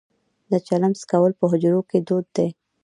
د چلم څکول په حجرو کې دود دی.